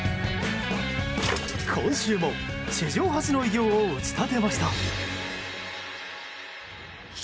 今週も史上初の偉業を打ち立てました。